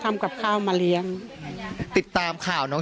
การแก้เคล็ดบางอย่างแค่นั้นเอง